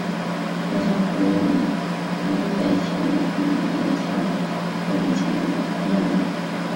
目前负责越南南北铁路洞海区段的铁路客货运牵引任务。